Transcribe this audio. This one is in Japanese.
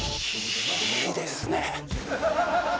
いいですね。